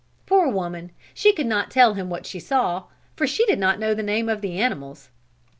Poor woman, she could not tell him what she saw, for she did not know the name of the animals.